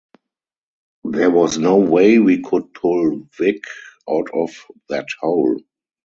There was no way we could pull Vik out of that hole.